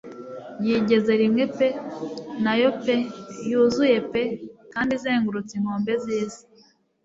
Yigeze rimwe pe nayo pe yuzuye pe kandi izengurutse inkombe z'isi